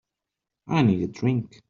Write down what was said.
I need a drink.